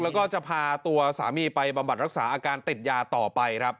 แล้วก็จะพาตัวสามีไปบำบัดรักษาอาการติดยาต่อไปครับ